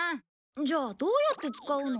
じゃあどうやって使うの？